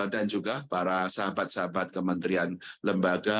dan juga para sahabat sahabat kementerian lembaga